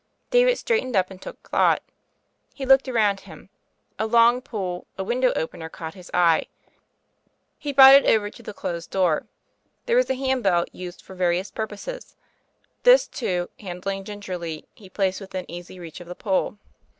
David straightened up and took thought. He looked around him. A long pole, a window opener, caught his eye. He brought it over to the closed door. There was a hand bell used for various purposes: this, too, handling gingerly, he placed within easy reach of the pole.